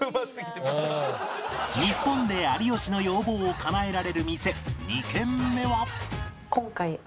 日本で有吉の要望をかなえられる店２軒目は